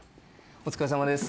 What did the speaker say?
お疲れさまです。